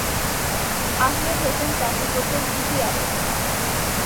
আহমেদ হোসেন চাকরি করতেন ইপিআরে।